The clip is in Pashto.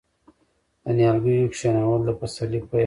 د نیالګیو کینول د پسرلي پیل دی.